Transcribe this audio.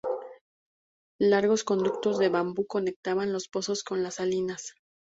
Largos conductos de bambú conectaban los pozos con las salinas.